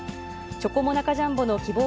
チョコモナカジャンボの希望